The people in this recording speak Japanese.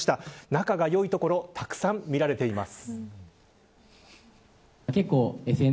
仲が良いところたくさん見られています。